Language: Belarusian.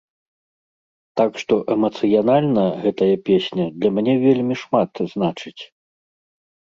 Так што эмацыянальна гэтая песня для мяне вельмі шмат значыць.